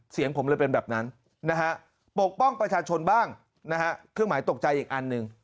เสียงผมเลยเป็นแบบนั้นนะฮะปกป้องประชาชนบ้างนะฮะเครื่องหมายตกใจอีกอันหนึ่ง